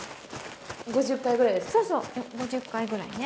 ５０回ぐらいでしたね。